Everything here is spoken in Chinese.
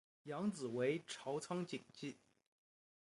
养子为朝仓景纪。